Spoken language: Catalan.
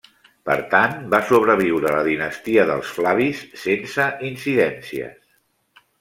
Per tant va sobreviure la dinastia dels Flavis sense incidències.